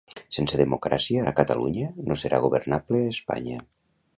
Sense democràcia a Catalunya no serà governable a Espanya.